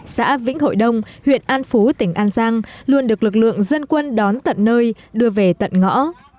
xã vĩnh hội đông huyện an phú tỉnh an giang luôn được lực lượng dân quân đón tận nơi đưa về tận ngõ